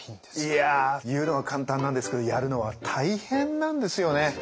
いや言うのは簡単なんですけどやるのは大変なんですよね。